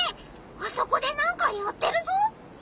あそこで何かやってるぞ！